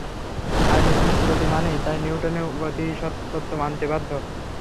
আর নির্দিষ্ট গতি মানেই তা নিউটনের গতিতত্ত্ব মানতে বাধ্য।